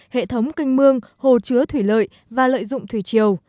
hệ thống canh mương hồ chứa thủy lợi và lợi dụng thủy chiều